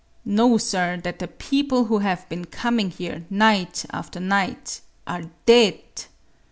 "Know, sir, that the people who have been coming here, night after night, are dead!